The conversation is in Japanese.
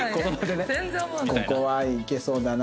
ここはいけそうだな。